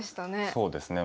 そうですね。